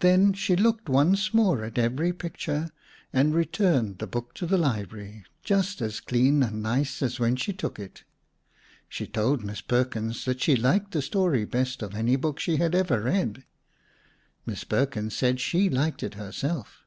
Then she looked once more at every picture and returned the book to the library, just as clean and nice as when she took it. She told Miss Perkins that she liked that story best of any book she had ever read. Miss Perkins said she liked it herself.